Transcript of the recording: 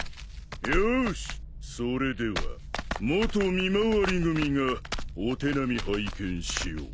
ようしそれでは元見廻組がお手並み拝見しよう。